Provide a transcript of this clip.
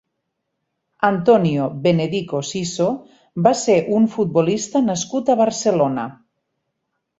Antonio Benedico Siso va ser un futbolista nascut a Barcelona.